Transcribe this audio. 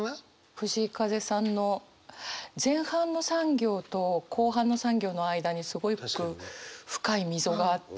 藤井風さんの前半の３行と後半の３行の間にすごく深い溝があって。